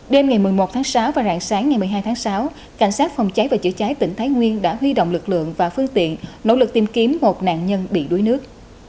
đêm ngày một mươi một tháng sáu và rạng sáng ngày một mươi hai tháng sáu cảnh sát phòng cháy và chữa cháy tỉnh thái nguyên đã huy động lực lượng và phương tiện nỗ lực tìm kiếm một nạn nhân bị đuối nước